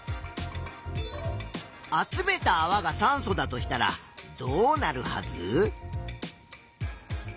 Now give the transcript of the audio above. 集めたあわが酸素だとしたらどうなるはず？